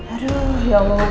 aduh ya allah